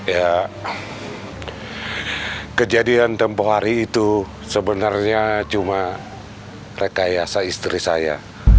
ya kejadian tempoh hari itu sebenarnya cuma rekayasa istri saya